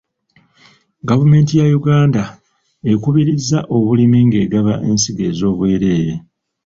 Gavumenti ya Uganda ekubiriza obulimi ng'egaba ensigo ez'obwereere.